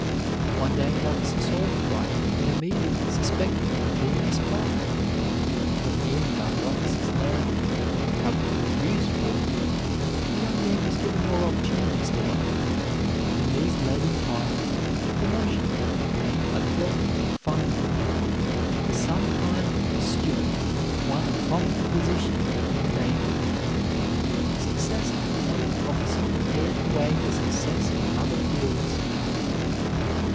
One day an officer saw him writing and immediately suspected him of being a spy. When he and the other officers learned what the tablet was used for, the young man was given more opportunities to learn, and these led in time to promotion, until, finally, the sometime steward won a prominent position in the navy. Success as a naval officer prepared the way for success in other fields.